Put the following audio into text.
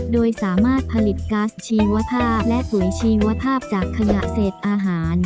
โดยสามารถผลิตกัสชีวภาพและปุ๋ยชีวภาพจากขณะเศษอาหาร